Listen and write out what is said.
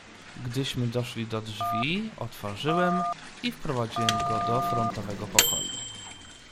"Gdyśmy doszli do drzwi, otworzyłem i wprowadziłem go do frontowego pokoju."